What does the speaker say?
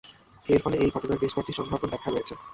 এর ফলে এই ঘটনার বেশ কয়েকটি সম্ভাব্য ব্যাখ্যা রয়েছে।